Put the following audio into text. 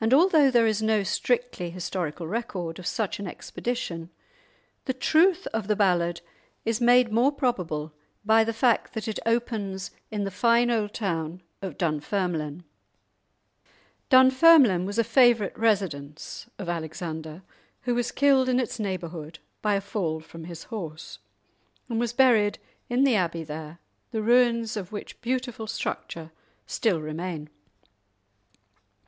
And although there is no strictly historical record of such an expedition, the truth of the ballad is made more probable by the fact that it opens in the fine old town of Dunfermline. Dunfermline was a favourite residence of Alexander, who was killed in its neighbourhood by a fall from his horse, and was buried in the abbey there, the ruins of which beautiful structure still remain.